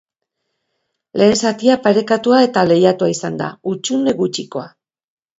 Lehen zatia parekatua eta lehiatua izan da, hutsune gutxikoa.